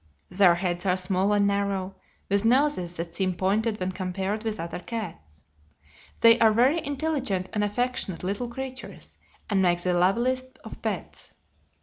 Their heads are small and narrow, with noses that seem pointed when compared with other cats. They are very intelligent and affectionate little creatures, and make the loveliest of pets.